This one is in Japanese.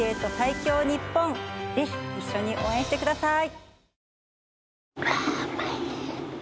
ぜひ一緒に応援してください。